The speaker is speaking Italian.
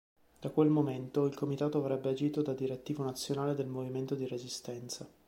Da quel momento il comitato avrebbe agito da direttivo nazionale del movimento di resistenza.